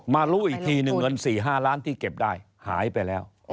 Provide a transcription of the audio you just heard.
รู้อีกทีหนึ่งเงิน๔๕ล้านที่เก็บได้หายไปแล้ว